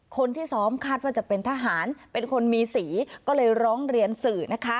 คนที่ซ้อมคาดว่าจะเป็นทหารเป็นคนมีสีก็เลยร้องเรียนสื่อนะคะ